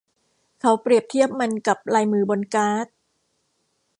เขาเปรียบเทียบมันกับลายมือบนการ์ด